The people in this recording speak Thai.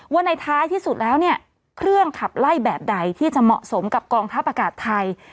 ว่าในท้ายที่สุดแล้วเนี่ยเครื่องขับไล่แบบใดที่จะเหมาะสมกับกองทัพอากาศไทย